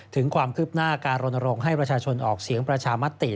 ถึงความคืบหน้าการรณรงค์ให้ประชาชนออกเสียงประชามติ